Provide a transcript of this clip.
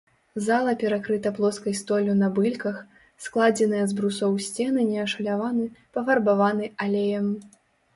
Зала перакрыта плоскай столлю на бэльках, складзеныя з брусоў сцены не ашаляваны, пафарбаваны алеем.